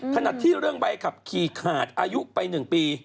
ถนัดที่เรื่องใบขับขี่ขาดอายุไปหนึ่งปี